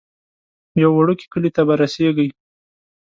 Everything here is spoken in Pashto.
یو وړوکی کلی ته به رسیږئ.